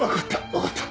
分かった。